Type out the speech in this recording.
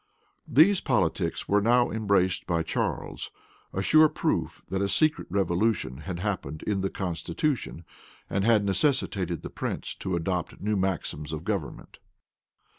These politics were now embraced by Charles; a sure proof that a secret revolution had happened in the constitution, and had necessitated the prince to adopt new maxims of government.